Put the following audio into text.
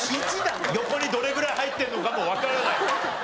横にどれぐらい入ってるのかもわからない。